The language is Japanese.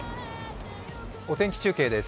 お天気中継です。